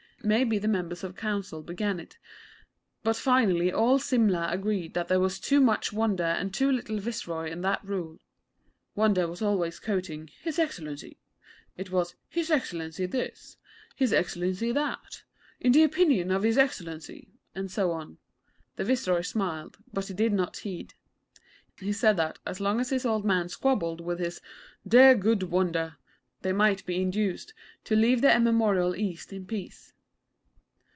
May be the Members of Council began it; but finally all Simla agreed that there was 'too much Wonder and too little Viceroy' in that rule. Wonder was always quoting 'His Excellency.' It was 'His Excellency this,' 'His Excellency that,' 'In the opinion of His Excellency,' and so on. The Viceroy smiled; but he did not heed. He said that, so long as his old men squabbled with his 'dear, good Wonder,' they might be induced to leave the Immemorial East in peace.